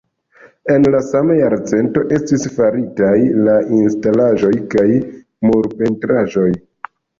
En la sama jarcento estis faritaj la instalaĵoj kaj murpentraĵoj.